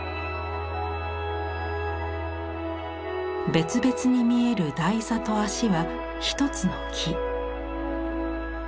別々に見える台座と足は一つの木。